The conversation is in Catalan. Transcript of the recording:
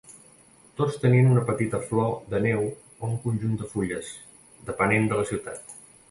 Tots tenien una petita flor de neu o un conjunt de fulles, depenent de la unitat.